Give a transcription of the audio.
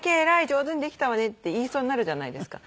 上手にできたわね」って言いそうになるじゃないですか。